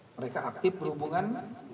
mereka aktif berhubungan